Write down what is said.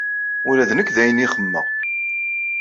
Ula d nekk d ayen ay xemmemeɣ.